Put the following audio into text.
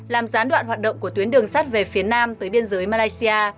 làm gián đoạn hoạt động của tuyến đường sắt về phía nam tới biên giới malaysia